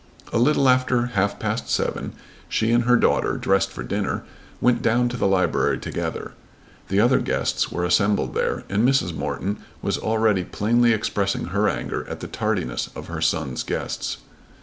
A little after half past seven she and her daughter, dressed for dinner, went down to the library together. The other guests were assembled there, and Mrs. Morton was already plainly expressing her anger at the tardiness of her son's guests.